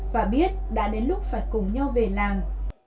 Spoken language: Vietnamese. và biết đã đến lúc phải cùng nhau về làng